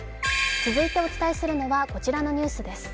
続いてお伝えするのは、こちらのニュースです。